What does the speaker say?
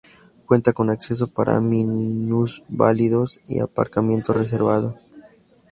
Cuenta con acceso para minusválidos y aparcamiento reservado.